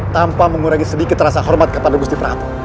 tanpa mengurangi sedikit rasa hormat kepada gusti prabowo